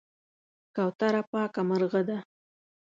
کوتره پاکه مرغه ده.